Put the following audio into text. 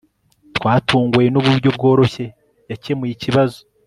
twatunguwe nuburyo bworoshye yakemuye ikibazo